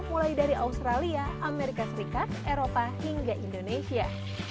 mulai dari australia amerika serikat eropa hingga indonesia